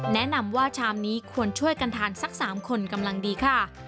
แนะนำว่าชามนี้ควรช่วยกันทานสัก๓คนกำลังดีค่ะ